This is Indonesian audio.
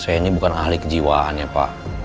saya ini bukan ahli kejiwaannya pak